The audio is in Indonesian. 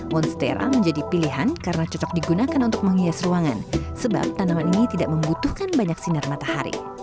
monstera menjadi pilihan karena cocok digunakan untuk menghias ruangan sebab tanaman ini tidak membutuhkan banyak sinar matahari